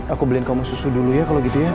aku beliin kamu susu dulu ya kalau gitu ya